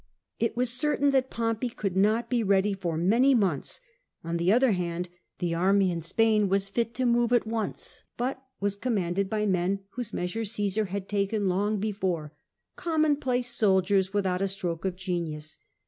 It was certain that Pompey could not be ready for many months ; on the other hand, the army in Spain was fit to move at once, but was commanded by men whose measure Cmsar had taken long before — commonplace soldiers without a stroke of genius.